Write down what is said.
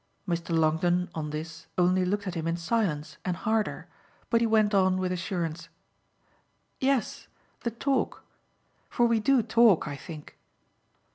Mr. Longdon on this only looked at him in silence and harder, but he went on with assurance: "Yes, the talk for we do talk, I think."